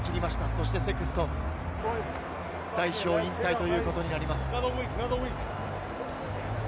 そしてセクストン、代表引退ということになります。